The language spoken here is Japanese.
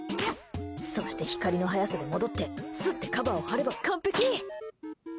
そして光の速さで戻ってすってカバーを貼れば完璧！